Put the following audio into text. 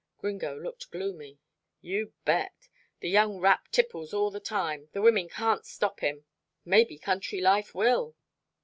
Gringo looked gloomy. "You bet the young rap tipples all the time. The women can't stop him." "Maybe country life will."